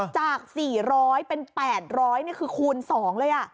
จาก๔๐๐เป็น๘๐๐นี่คือคูณ๒เลย